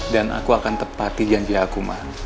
dan aku akan tepati janji aku ma